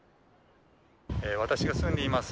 私が住んでいます